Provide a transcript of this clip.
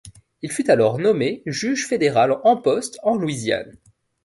Il fut alors nommé juge fédéral en poste en Louisiane.